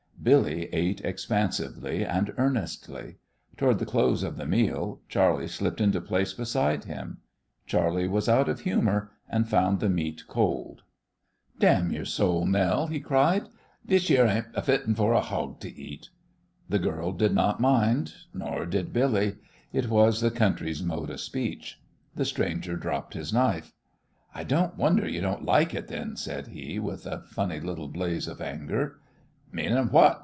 Billy ate expansively and earnestly. Toward the close of the meal Charley slipped into place beside him. Charley was out of humour, and found the meat cold. "Damn yore soul, Nell," he cried, "this yere ain't fitten fer a hog to eat!" The girl did not mind; nor did Billy. It was the country's mode of speech. The stranger dropped his knife. "I don't wonder you don't like it, then," said he, with a funny little blaze of anger. "Meanin' what?"